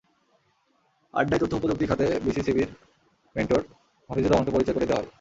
আড্ডায় তথ্যপ্রযুক্তি খাতে বিসিসিবির মেন্টর হাফিজুর রহমানকে পরিচয় করিয়ে দেওয়া হয়।